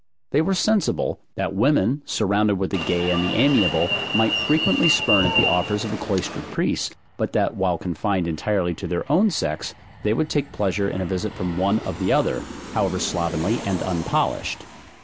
They were sensible, that women, surrounded with the gay and the amiable, might frequently spurn at the offers of a cloistered priest, but that while confined entirely to their own sex, they would take pleasure in a visit from one of the other, however slovenly and unpolished.